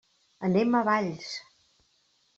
Anem a Valls.